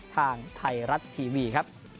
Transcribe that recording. ทางไทยรัฐทีวีครับ